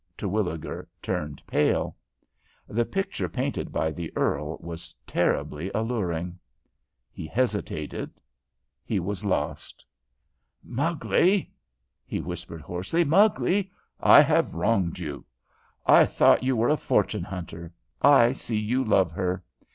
Terwilliger turned pale. The picture painted by the earl was terribly alluring. He hesitated. He was lost. "Mugley," he whispered, hoarsely "Mugley, I have wronged you. I thought you were a fortune hunter. I see you love her.